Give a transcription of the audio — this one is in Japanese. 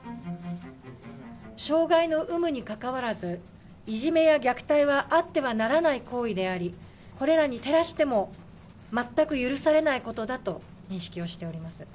障害の有無にかかわらず、いじめや虐待はあってはならない行為であり、これらに照らしても全く許されないことだと認識をしております。